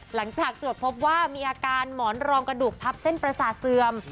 หลังจากตรวจพบว่ามีอาการหมอนรองกระดูกทับเส้นประสาทเสื่อม